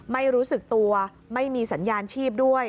ไม่รู้สึกตัวไม่มีสัญญาณชีพด้วย